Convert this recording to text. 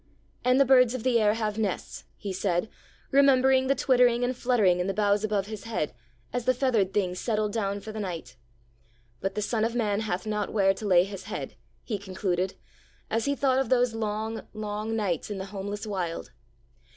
'And the birds of the air have nests,' He said, remembering the twittering and fluttering in the boughs above His head as the feathered things settled down for the night. 'But the Son of Man hath not where to lay His head,' He concluded, as He thought of those long, long nights in the homeless Wild.